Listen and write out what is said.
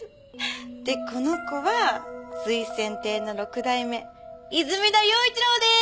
でこの子は瑞泉亭の６代目泉田耀一郎です！